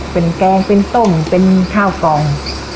เป็นแกงเป็นต้มเป็นข้าวกล่อง